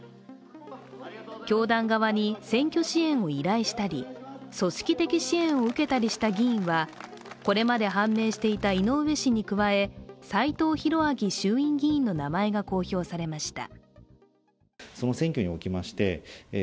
教団側に選挙支援を依頼したり組織的支援を受けたりした議員はこれまで判明していた井上氏に加え斎藤洋明衆院議員の名前が公表されました。